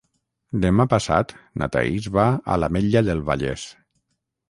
Demà passat na Thaís va a l'Ametlla del Vallès.